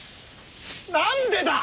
何でだ！？